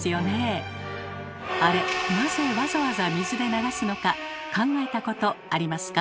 あれなぜわざわざ水で流すのか考えたことありますか？